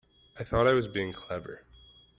I thought I was being clever.